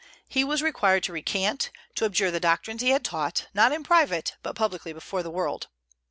He was required to recant, to abjure the doctrines he had taught; not in private, but publicly before the world.